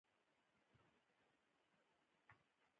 د هغه فلسفه اوس هم ژوندۍ ده.